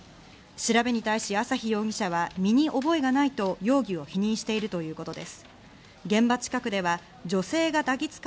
調べに対し朝日容疑者は身に覚えがないと容疑を否認しているといお天気です。